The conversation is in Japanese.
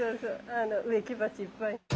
あの植木鉢いっぱい。